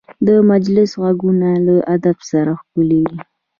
د مجلس غږونه له ادب سره ښکلي وي